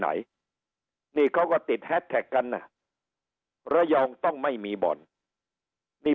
ไหนนี่เขาก็ติดแฮสแท็กกันนะระยองต้องไม่มีบ่อนนี่